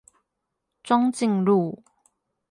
莊敬路